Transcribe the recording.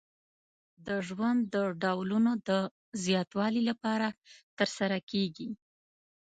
د ژوند د ډولونو د زیاتوالي لپاره ترسره کیږي.